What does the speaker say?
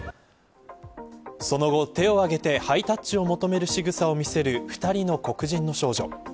その後、手を上げてハイタッチを求めるしぐさを見せる２人の黒人の少女。